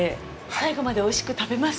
最後までおいしく食べます！